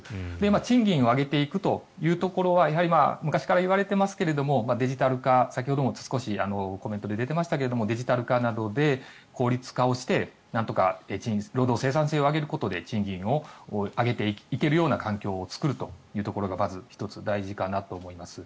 賃金を上げていくというところは昔から言われていますがデジタル化先ほども少しコメントで出ていましたがデジタル化などで効率化をしてなんとか労働生産性を上げることで賃金を上げていけるような環境を作るところがまず１つ大事かなと思います。